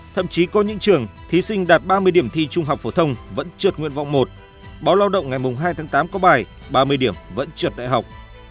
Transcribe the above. thậm chí có những trường thí sinh đạt ba mươi điểm thi trung học phổ thông vẫn trượt nguyện vọng một báo lao động ngày hai tháng tám có bài ba mươi điểm vẫn trượt đại học